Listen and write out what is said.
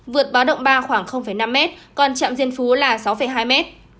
vượt báo động ba khoảng năm mét còn trạm diên phú là sáu hai m